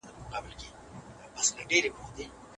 انجنیر نجیب شریف